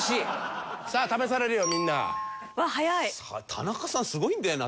田中さんすごいんだよな。